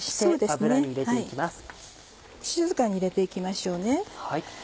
静かに入れて行きましょうね。